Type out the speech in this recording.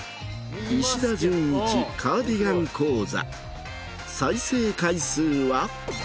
石田純一カーディガン講座再生回数は。